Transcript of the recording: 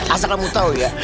asal kamu tau ya